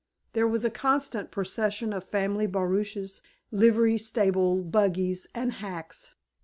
There was a constant procession of family barouches, livery stable buggies and hacks.